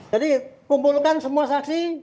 jadi kumpulkan semua saksi